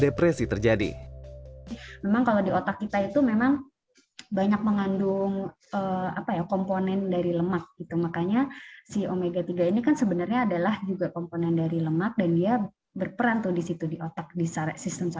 dan kita punya kok data data maksudnya